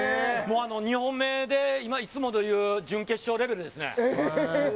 ２本目で今いつもでいう準決勝レベルですね。